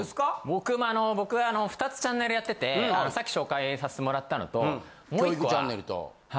僕もあの僕はあの２つチャンネルやっててさっき紹介させてもらったのともう１個は。